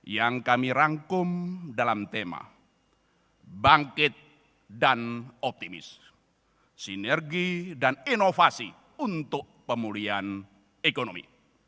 yang kami rangkum dalam tema bangkit dan optimis sinergi dan inovasi untuk pemulihan ekonomi